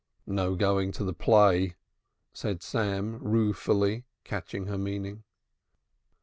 "No going to the play," said Sam ruefully, catching her meaning.